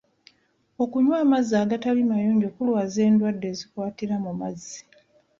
Okunywa amazzi agatali mayonjo kulwaza endwadde ezikwatira mu mazzi.